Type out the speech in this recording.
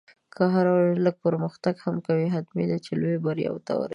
که هره ورځ لږ پرمختګ هم کوې، حتمي ده چې لویو بریاوو ته رسېږې.